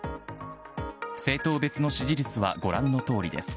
政党別の支持率はご覧のとおりです。